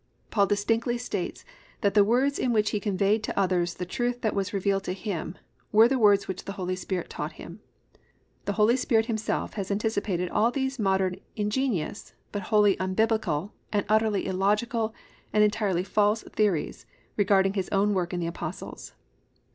_Paul distinctly states that the words in which he conveyed to others the truth that was revealed to him were the words which the Holy Spirit taught him._ The Holy Spirit himself has anticipated all these modern ingenious, but wholly unbiblical and utterly illogical and entirely false theories regarding his own work in the Apostles.